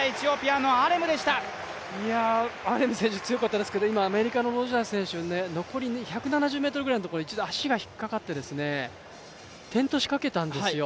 アレム選手強かったですけど、ロジャース選手残り１７０ｍのところで一度、足が引っかかって転倒しかけたんですよ。